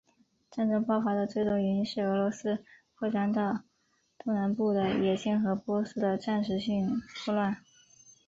战争爆发的最终原因是俄罗斯扩张到东南部的野心和波斯的暂时性混乱。